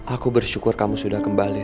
aku bersyukur kamu sudah kembali